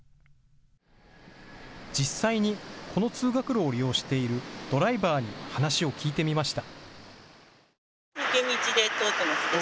実際にこの通学路を利用しているドライバーに話を聞いてみました。